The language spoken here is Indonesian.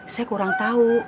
saya kurang tahu